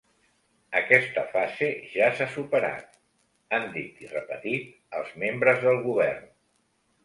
Aquesta fase ja s’ha superat, han dit i repetit els membres del govern.